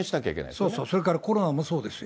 そうそう、それからコロナもそうですよ。